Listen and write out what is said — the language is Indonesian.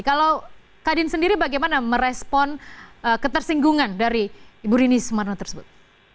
kalau kadin sendiri bagaimana merespon ketersinggungan dari ibu rini sumarno tersebut